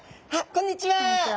こんにちは。